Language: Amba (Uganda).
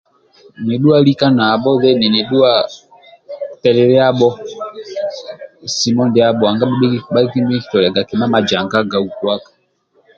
Nidhuwa lika nabho deni nidhuwa teliliabho simu ndiabho nanga bhabhi kinitoliaga kima majangaga ukuaka